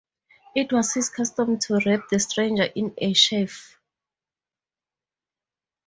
It was his custom to wrap the stranger in a sheaf.